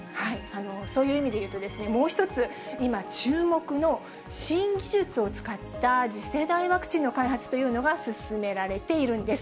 そういう意味でいうと、もう一つ、今、注目の新技術を使った次世代ワクチンの開発というのが進められているんです。